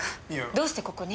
どうしてここに？